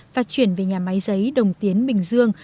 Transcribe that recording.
và chuyển về nhà máy giấy đồng tiến bình dương